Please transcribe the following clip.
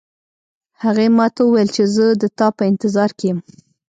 هغې ما ته وویل چې زه د تا په انتظار کې یم